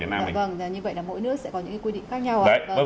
vâng như vậy là mỗi nước sẽ có những quy định khác nhau